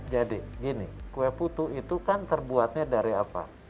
jadi gini kue putu itu kan terbuatnya dari apa